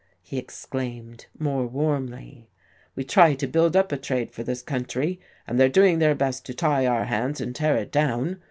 he exclaimed, more warmly. "We try to build up a trade for this country, and they're doing their best to tie our hands and tear it down.